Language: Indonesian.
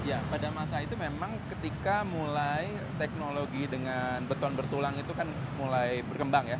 ya pada masa itu memang ketika mulai teknologi dengan beton bertulang itu kan mulai berkembang ya